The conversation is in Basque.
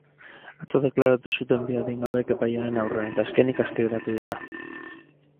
Atzo deklaratu zuten bi adingabeek epailearen aurrean eta azkenik aske geratu dira.